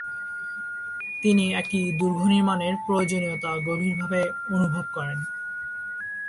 তিনি একটি দুর্গ নির্মানের প্রয়োজনীতা গভীরভাবে অনুভব করেন।